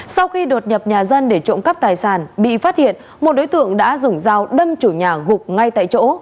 sau khi đột nhập nhà dân để trộm cắp tài sản bị phát hiện một đối tượng đã dùng dao đâm chủ nhà gục ngay tại chỗ